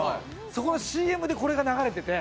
そこのＣＭでこれが流れてて。